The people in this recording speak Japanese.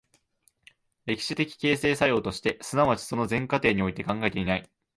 歴史的形成作用として、即ちその全過程において考えていない。